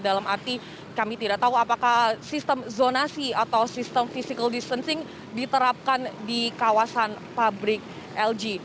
dalam arti kami tidak tahu apakah sistem zonasi atau sistem physical distancing diterapkan di kawasan pabrik lg